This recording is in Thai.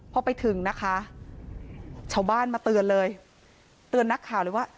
พอไปถึงนะคะชาวบ้านมาเตือนเลยเตือนนักข่าวเลยว่า